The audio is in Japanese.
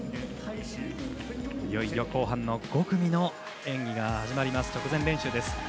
いよいよ後半の５組の演技が始まります。